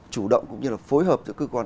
chủ động cũng như là phối hợp giữa cơ quan